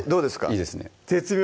いいですね絶妙！